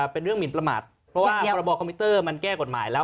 เป็นเรื่องหมินประมาทเพราะว่าพรบคอมพิวเตอร์มันแก้กฎหมายแล้ว